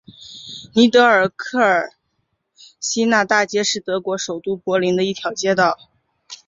尼德尔克尔新纳大街是德国首都柏林的一条街道。